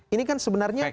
ini kan sebenarnya